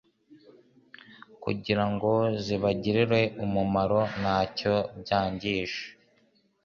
kugirango zibagirire umumaro ntacyo byangije.